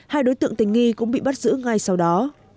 hai đối tượng tình nghi cũng bị bắt giữ ngay sau đó